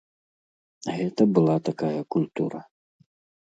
Гэта была такая культура.